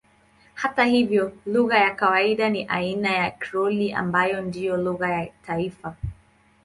Hata hivyo lugha ya kawaida ni aina ya Krioli ambayo ndiyo lugha ya taifa.